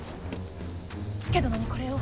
佐殿にこれを。